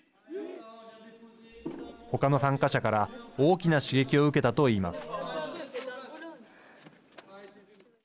他の参加者から大きな刺激を受けたと言います。